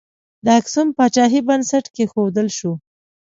د اکسوم پاچاهۍ بنسټ کښودل شو.